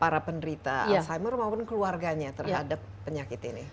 para penderita alzheimer maupun keluarganya terhadap penyakit ini